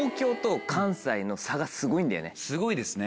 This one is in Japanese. すごいですね。